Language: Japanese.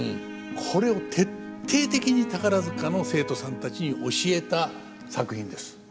これを徹底的に宝塚の生徒さんたちに教えた作品です。